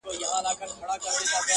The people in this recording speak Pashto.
سل غلامه په خدمت کي سل مینځیاني.!